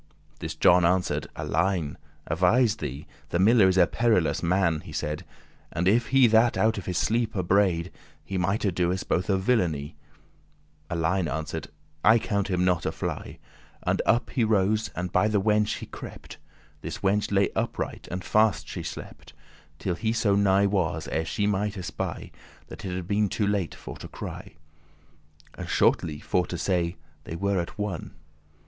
This John answer'd; Alein, *avise thee*: *have a care* The miller is a perilous man," he said, "And if that he out of his sleep abraid*, *awaked He mighte do us both a villainy*." *mischief Alein answer'd; "I count him not a fly. And up he rose, and by the wench he crept. This wenche lay upright, and fast she slept, Till he so nigh was, ere she might espy, That it had been too late for to cry: And, shortly for to say, they were at one.